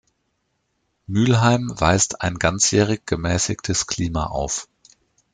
Mülheim weist ein ganzjährig gemäßigtes Klima auf.